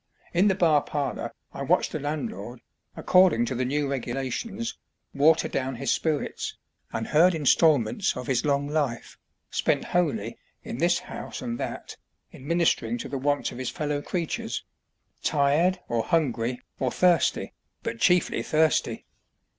In the bar parlour I watched the landlord, according to the new regulations, water down his spirits, and heard instalments of his long life, spent wholly, in this "house" and that, in ministering to the wants of his fellow creatures tired, or hungry, or thirsty, but chiefly thirsty.